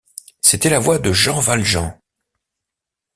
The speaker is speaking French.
C’était la voix de Jean Valjean.